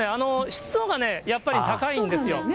湿度がやっぱり高いんですよ。